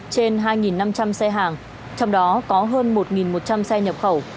trên hai năm trăm linh xe hàng trong đó có hơn một một trăm linh xe nhập khẩu